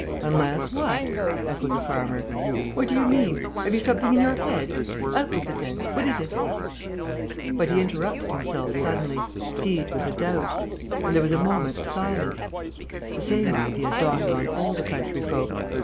"Unless what?" echoed the farmer. "What do you mean? Have you something in your head? Out with it, then! What is it?" But he interrupted himself suddenly, seized with a doubt; and there was a moment's silence. The same idea dawned on all the country folk.